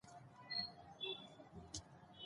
باسواده ښځې د حج مراسم ادا کوي.